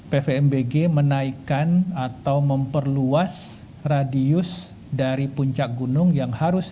pvmbg menaikkan atau memperluas radius dari puncak gunung yang harus